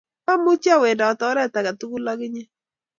Amuchi awendot oret age tugul ak inye